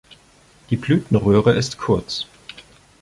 Die Blütenröhre ist kurz.